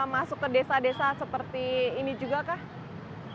masuk ke desa desa seperti ini juga kah